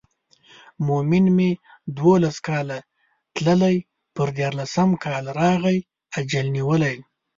مومن مې دولس کاله تللی پر دیارلسم کال راغی اجل ونیو.